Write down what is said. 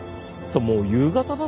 もう夕方だぞ。